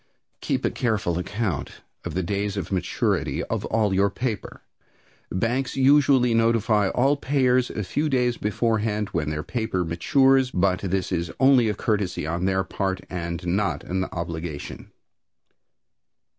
Keep a careful record of the days of maturity of all your paper. Banks usually notify all payers a few days beforehand when their paper matures, but this is only courtesy on their part and not an obligation.